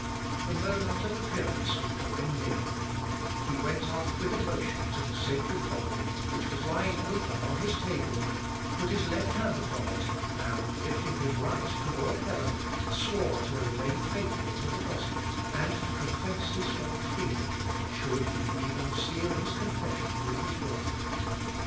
The moment of appearance was drawing near; he went up with emotion to the sacred volume, which was lying open on his table, put his left hand upon it, and lifting his right toward heaven, swore to remain faithful to the gospel, and to confess his faith freely, should he even seal his confession with his blood.